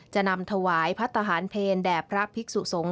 จะนำถวายพระทหารเพลแด่พระภิกษุสงศ